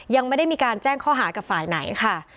ยังไม่ได้มีการแจ้งข้อหากับฝ่ายไหนค่ะ